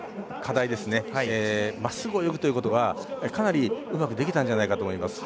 まっすぐ泳ぐということがかなりうまくできたんじゃないかと思います。